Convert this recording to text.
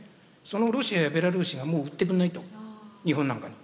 そのロシアやベラルーシがもう売ってくんないと日本なんかに。